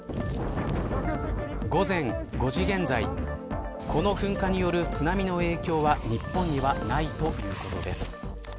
午前５時現在この噴火による津波の影響は日本にはないということです。